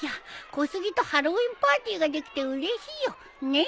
小杉とハロウィーンパーティーができてうれしいよ。ね？